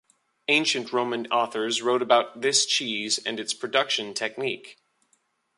Ancient Roman authors wrote about this cheese and its production technique.